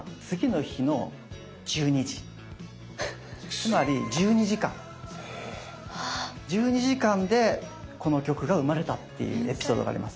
つまり１２時間１２時間でこの曲が生まれたっていうエピソードがあります。